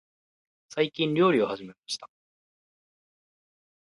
最近、料理を始めました。